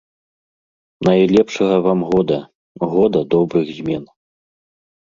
Найлепшага вам года, года добрых змен!